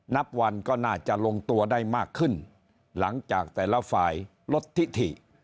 นับวันก็น่าจะลงตัวได้มากขึ้นหลังจากแต่ละฝ่ายลดทิถิ